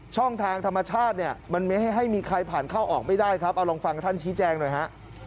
ช่องทางธรรมชาติเนี่ยมันไม่ให้มีใครผ่านเข้าออกไม่ได้ครับเอาลองฟังท่านชี้แจงหน่อยฮะ